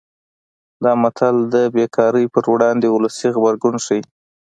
دا متل د بې کارۍ پر وړاندې ولسي غبرګون ښيي